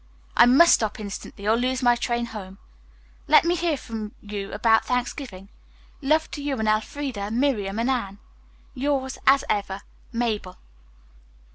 "I must stop instantly or lose my train home. Let me hear from you about Thanksgiving. Love to you and Elfreda, Miriam and Anne. "Yours, as ever, "MABEL.